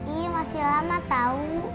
ih masih lama tau